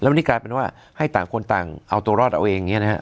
วันนี้กลายเป็นว่าให้ต่างคนต่างเอาตัวรอดเอาเองอย่างนี้นะครับ